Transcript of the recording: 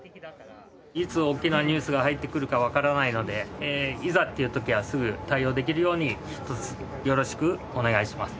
いつ大きなニュースが入ってくるかわからないのでいざっていう時はすぐ対応できるように一つよろしくお願いします。